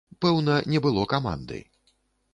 Пэўна, не было каманды.